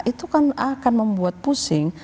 itu kan akan membuat pusing